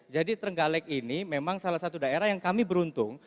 jadi terenggalek ini memang salah satu daerah yang kami beruntung